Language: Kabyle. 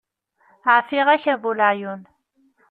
Ɛfiɣ-ak a bu leɛyun.